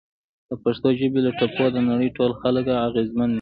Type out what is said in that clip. د پښتو ژبې له ټپو د نړۍ ټول خلک اغیزمن دي!